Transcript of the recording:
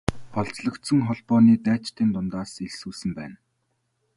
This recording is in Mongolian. Олзлогдсон холбооны дайчдын дундаас элсүүлсэн байна.